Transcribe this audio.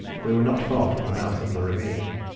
we were not far from the mouth of the ravine.